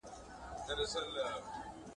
څه ژرنده پڅه، څه غنم لانده.